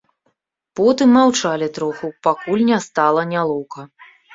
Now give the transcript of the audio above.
Потым маўчалі троху, пакуль не стала нялоўка.